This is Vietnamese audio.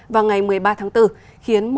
vào ngày một mươi ba tháng bốn khiến